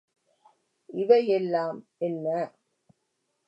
இவை யெல்லாம் என்ன?